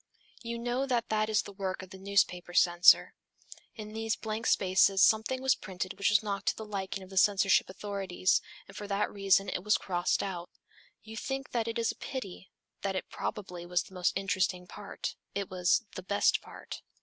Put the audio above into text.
You know that that is the work of the newspaper censor. In these blank spaces something was printed which was not to the liking of the censorship authorities, and for that reason it was crossed out. You think that it is a pity, that it probably was the most interesting part, it was "the best part."